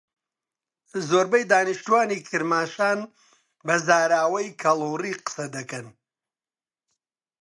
زۆربەی دانیشتووانی کرماشان بە زاراوەی کەڵهوڕی قسەدەکەن.